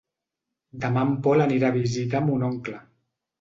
Demà en Pol anirà a visitar mon oncle.